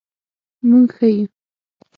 مونږ ښه یو